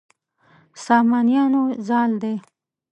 سامانیانو زال دی.